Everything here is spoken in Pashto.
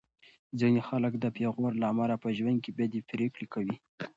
ځینې خلک د پېغور له امله په ژوند کې بدې پرېکړې کوي.